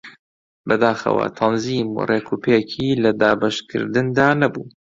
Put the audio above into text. بەداخەوە تەنزیم و ڕێکوپێکی لە دابەشکردندا نەبوو